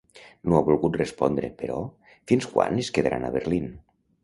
No ha volgut respondre, però, fins quan es quedaran a Berlin.